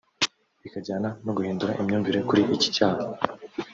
bikajyana no guhindura imyumvire kuri iki cyaha